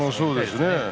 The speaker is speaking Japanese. そうですね。